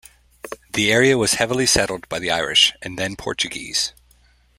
The area was heavily settled by the Irish and then Portuguese.